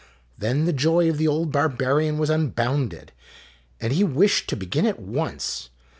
Then the joy of the old bar barian was unbounded, and he wished to be^in at once.